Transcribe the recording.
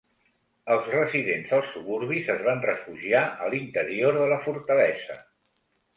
Els residents als suburbis es van refugiar a l'interior de la fortalesa.